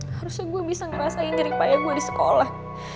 harusnya gua bisa ngerasain ngeri payah gua di sekolah